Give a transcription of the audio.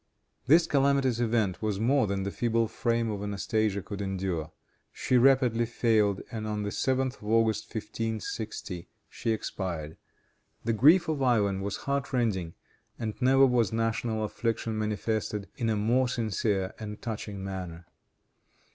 This calamitous event was more than the feeble frame of Anastasia could endure. She rapidly failed, and on the 7th of August, 1560, she expired. The grief of Ivan was heartrending, and never was national affliction manifested in a more sincere and touching manner.